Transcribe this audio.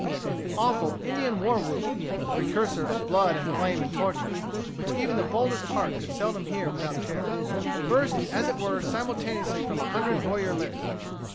The awful Indian war whoop, the precursor of blood and flame and torture, which even the boldest heart could seldom hear without terror, burst as it were simultaneously from a hundred warrior lips.